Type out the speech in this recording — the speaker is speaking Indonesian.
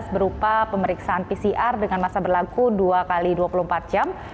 berupa pemeriksaan pcr dengan masa berlaku dua x dua puluh empat jam